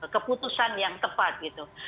keputusan yang tepat gitu